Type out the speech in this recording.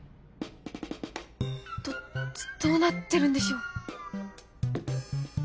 どどうなってるんでしょう